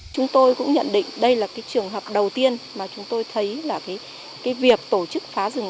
chúng tôi cũng nhận định đây là cái trường hợp đầu tiên mà chúng tôi thấy là việc tổ chức phá rừng